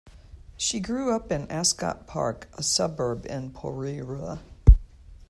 She grew up in Ascot Park, a suburb in Porirua.